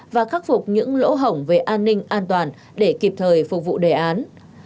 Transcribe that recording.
và khắc phục những lỗ hỏng về an ninh an toàn để kịp thời phục vụ đề án